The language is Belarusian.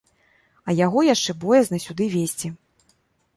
А яго яшчэ боязна сюды везці.